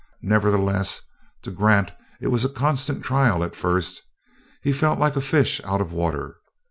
Nevertheless, to Grant it was a constant trial, at first. He felt like a fish out of water.